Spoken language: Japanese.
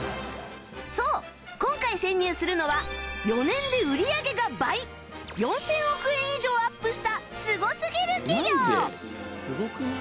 そう今回潜入するのは４年で売り上げが倍４０００億円以上アップしたすごすぎる企業